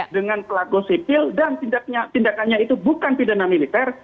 dengan pelaku sipil dan tindakannya itu bukan pidana militer